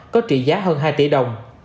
có trị giá hơn hai tỷ đồng